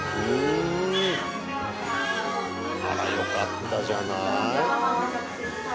あらよかったじゃない。